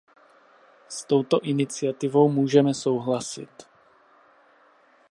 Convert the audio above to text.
S touto iniciativou můžeme souhlasit.